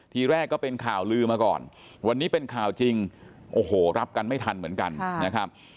ทีแรกก็เป็นข่าวลือมาก่อนวันนี้เป็นข่าวจริงโอ้โหรับกันไม่ทันเหมือนกันนะครับ